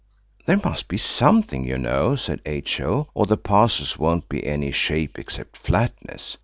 "There must be something, you know," said H.O., "or the parcels won't be any shape except flatness."